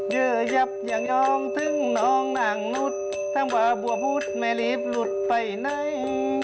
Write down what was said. เยอะยับอย่างยองถึงน้องหนังนุษย์ทั้งว่าบัวพุทธไม่รีบหลุดไปไหน